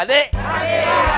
asyik sebang tangan